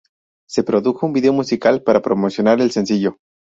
Se produjo un vídeo musical para promocionar el sencillo.